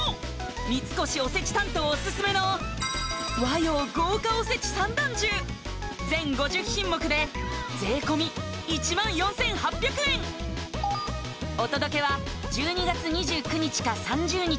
三越おせち担当オススメの和洋豪華おせち三段重全５０品目で税込１４８００円お届けは１２月２９日か３０日